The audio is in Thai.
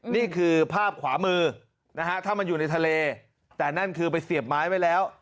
นี่คือภาพขวามือนะฮะถ้ามันอยู่ในทะเลแต่นั่นคือไปเสียบไม้ไว้แล้ว